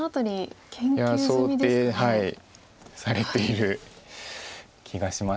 想定されている気がします